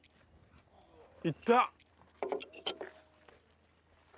いった！